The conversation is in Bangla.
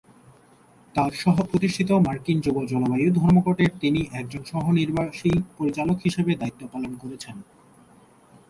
তার সহ-প্রতিষ্ঠিত মার্কিন যুব জলবায়ু ধর্মঘটের তিনি একজন সহ-নির্বাহী পরিচালক হিসাবে দায়িত্ব পালন করেছেন।